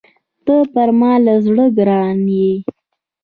ته پر ما له زړه ګران يې!